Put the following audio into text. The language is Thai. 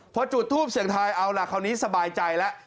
พอจุดทูปเสียงทายเอาล่ะคราวนี้สบายใจแล้ว